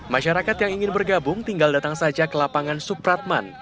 masyarakat yang ingin bergabung tinggal datang saja ke lapangan supratman